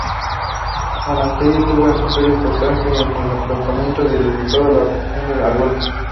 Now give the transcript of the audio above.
Monasterio tuvo un papel importante en el aplastamiento de toda oposición al golpe.